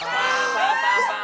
パンパンパン。